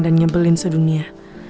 dan nyebelin sedunia